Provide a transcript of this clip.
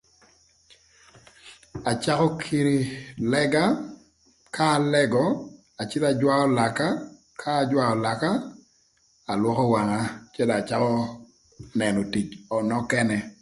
Acakö kï lëga, ka alëgö, acïdhö ajwaö laka, ka ajwaö laka, alwökö wanga cë dong acakö nënö tic nökënë